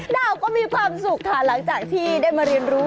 ดาวก็มีความสุขค่ะหลังจากที่ได้มาเรียนรู้